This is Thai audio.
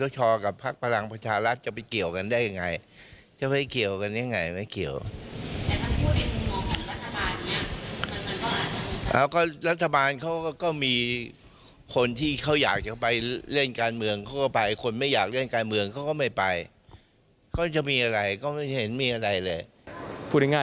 ว่าสุดท้ายเลยก็คือเราจะทำรวมกับเมื่อไหนแล้วก็การทำให้ตัวเข้าที่สุด